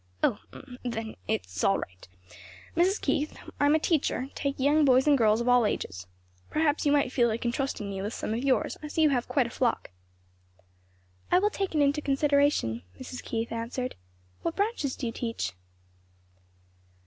"Oh! then it's all right. "Mrs. Keith, I'm a teacher; take young boys and girls of all ages. Perhaps you might feel like entrusting me with some of yours. I see you have quite a flock." "I will take it into consideration," Mrs. Keith answered; "What branches do you teach?"